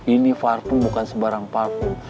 ini parfum bukan sebarang parfum